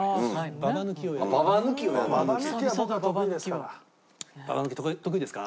ババ抜き得意ですか？